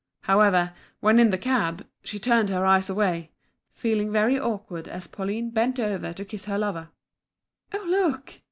However, when in the cab, she turned her eyes away, feeling very awkward as Pauline bent over to kiss her lover. "Oh, look!"